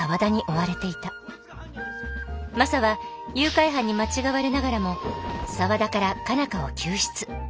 マサは誘拐犯に間違われながらも沢田から佳奈花を救出。